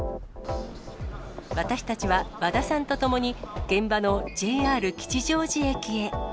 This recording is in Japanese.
私たちは和田さんとともに現場のＪＲ吉祥寺駅へ。